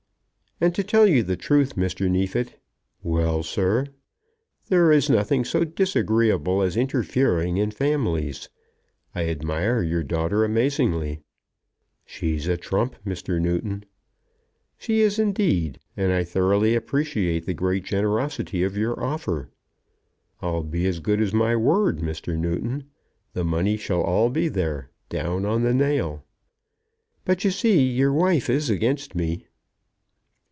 "And, to tell you the truth, Mr. Neefit " "Well, sir?" "There is nothing so disagreeable as interfering in families. I admire your daughter amazingly." "She's a trump, Mr. Newton." "She is indeed; and I thoroughly appreciate the great generosity of your offer." "I'll be as good as my word, Mr. Newton. The money shall be all there, down on the nail." "But, you see, your wife is against me."